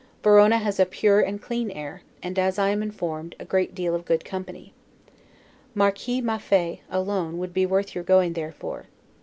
Verona has a pure and clear air, and, as I am informed, a great deal of good company. Marquis Maffei, alone, would be worth going there for.